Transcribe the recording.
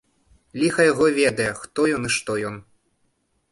Ліха яго ведае, хто ён і што ён!